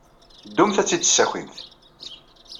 Ddumt ad tt-id-tessakimt.